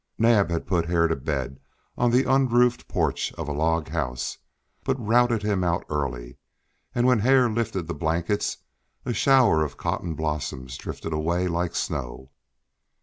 Naab had put Hare to bed on the unroofed porch of a log house, but routed him out early, and when Hare lifted the blankets a shower of cotton blossoms drifted away like snow.